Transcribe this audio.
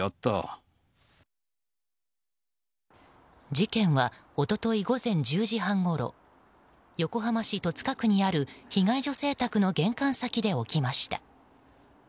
事件は一昨日午前１０時半ごろ横浜市戸塚区にある被害女性宅の玄関先で起きました。